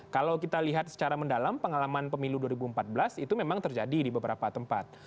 kalau kita lihat secara mendalam pengalaman pemilu dua ribu empat belas itu memang terjadi di beberapa tempat